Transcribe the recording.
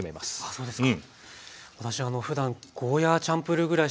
そうですか。